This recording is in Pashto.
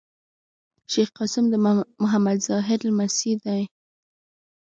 شېخ قاسم د محمد زاهد لمسی دﺉ.